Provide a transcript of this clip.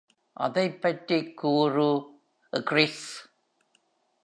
அதைப் பற்றி கூறு க்ரிஸ்